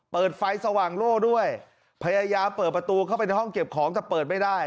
เปิดไฟสว่างโล่ด้วยพยายามเปิดประตูเข้าไปในห้องเก็บของแต่เปิดไม่ได้